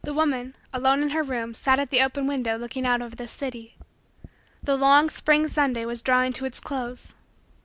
The woman, alone in her room, sat at the open window looking out over the city. The long, spring, Sunday was drawing to its close.